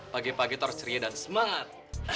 pagi pagi terus ceria dan semangat